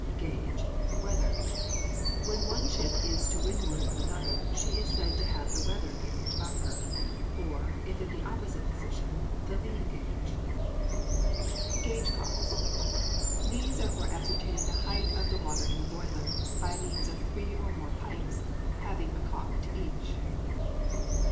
GAGE, WEATHER. When one ship is to windward of another she is said to have the weather gage of her; or if in the opposite position, the lee gage. GAGE COCKS. These are for ascertaining the height of the water in the boiler, by means of three or more pipes, having a cock to each.